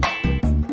ya ini lagi